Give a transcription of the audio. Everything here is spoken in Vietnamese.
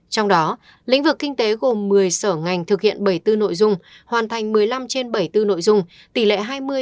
trong đó lĩnh vực kinh tế gồm một mươi sở ngành thực hiện bảy mươi bốn nội dung hoàn thành một mươi năm trên bảy mươi bốn nội dung tỷ lệ hai mươi ba mươi